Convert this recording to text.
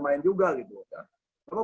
main juga gitu